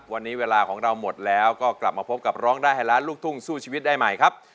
วันนี้เวลาของเราหมดแล้วก็กลับมาพบกับร้องได้ให้ล้านลูกทุ่งสู้ชีวิตได้ใหม่ครับ